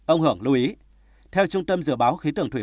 ông hưởng lưu ý